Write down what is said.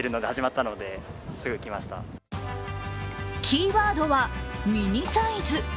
キーワードは、ミニサイズ。